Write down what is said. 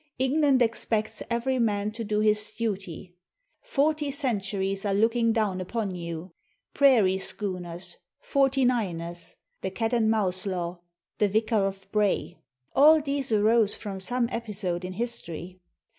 "England expects every man to do his duty," "Forty centuries are looking down upon you," "prairie schooners," " 49 ers," the " cat and mouse law," the "Vicar of Bray," — all these arose from some episode in history.